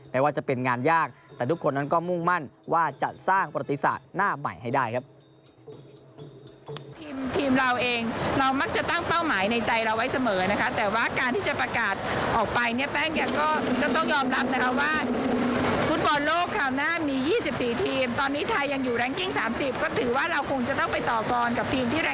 ว่าจะเป็นงานยากแต่ทุกคนนั้นก็มุ่งมั่นว่าจะสร้างประติศาสตร์หน้าใหม่ให้ได้ครับ